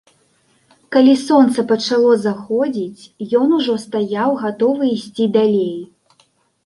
Калі сонца пачало заходзіць, ён ужо стаяў гатовы ісці далей.